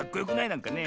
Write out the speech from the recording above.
なんかね。